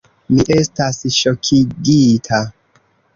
Mi estas ŝokigita!